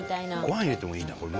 ご飯入れてもいいなこれ。